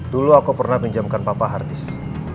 dulu aku pernah pinjamkan papa hardisk